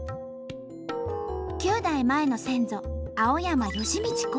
９代前の先祖青山幸道公。